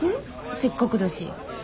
せっかくだし。